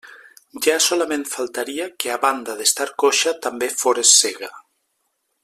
Ja solament faltaria que a banda d'estar coixa també fores cega.